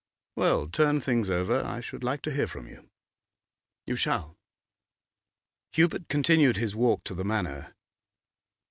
Well, turn things over. I should like to hear from you.' 'You shall.' Hubert continued his walk to the Manor.